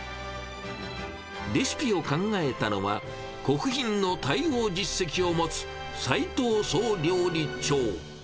レシピを考えたのは、国賓の対応実績を持つ斉藤総料理長。